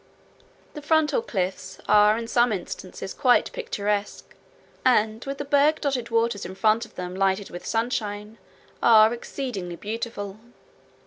The frontal cliffs are in some instances quite picturesque, and with the berg dotted waters in front of them lighted with sunshine are exceedingly beautiful.